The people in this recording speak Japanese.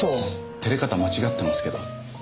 照れ方間違ってますけど。